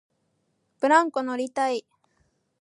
ブランコ乗りたい